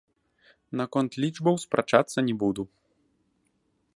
Наконт лічбаў спрачацца не буду.